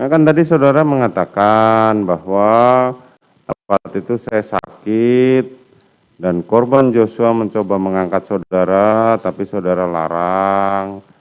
kan tadi saudara mengatakan bahwa aparat itu saya sakit dan korban joshua mencoba mengangkat saudara tapi saudara larang